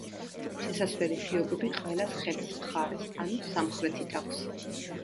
შესასვლელი ღიობები ყველას ხევის მხარეს, ანუ სამხრეთით აქვს.